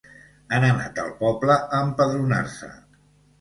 Han anat al poble a empadronar-se.